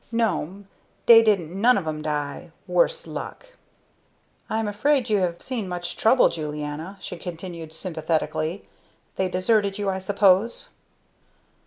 "No'm, dey didn't none of 'em die worse luck." "I'm afraid you have seen much trouble, Julianna," she continued sympathetically; "They deserted you, I suppose?"